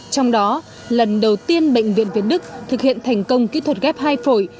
trong đó lần đầu tiên bệnh viện việt đức thực hiện thành công kỹ thuật ghép hai phổi